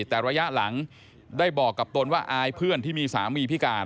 แต่ระยะหลังได้บอกกับตนว่าอายเพื่อนที่มีสามีพิการ